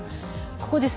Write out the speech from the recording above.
ここですね。